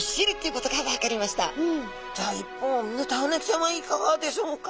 じゃあ一方ヌタウナギちゃんはいかがでしょうか？